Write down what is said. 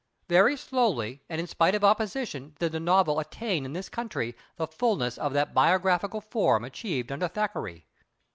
Very slowly and in spite of opposition did the novel attain in this country the fulness of that biographical form achieved under Thackeray.